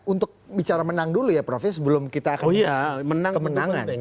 untuk bicara menang dulu ya profes sebelum kita kemenangan